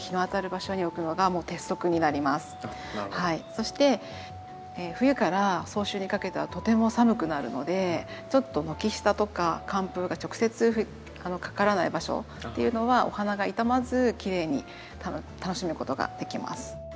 そして冬から早春にかけてはとても寒くなるのでちょっと軒下とか寒風が直接かからない場所っていうのはお花が傷まずきれいに楽しむことができます。